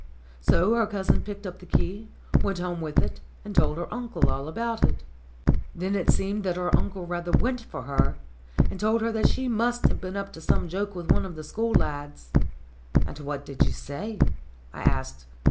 So her cousin picked up the key, went home with it, and told her uncle all about it. Then it seemed that her uncle rather went for her, and told her that she must have been up to some joke with one of the school lads. "And what did you say?" I asked.